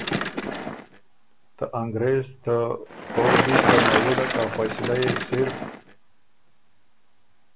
ته انګرېز ته پؤځی ته نوُلّک ا فیصلۀ يې صرف